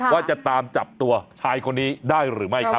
ว่าจะตามจับตัวชายคนนี้ได้หรือไม่ครับ